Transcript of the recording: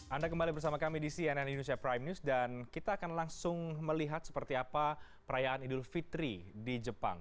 anda kembali bersama kami di cnn indonesia prime news dan kita akan langsung melihat seperti apa perayaan idul fitri di jepang